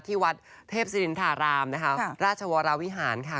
ที่วัดเทพศิรินทรารามนะคะราชวรวิหารค่ะ